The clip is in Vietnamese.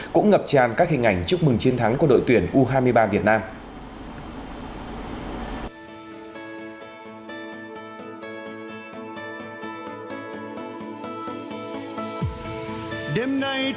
cũng ngập tràn các hình ảnh chúc mừng chiến thắng của đội tuyển u hai mươi ba việt nam